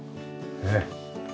ねえ。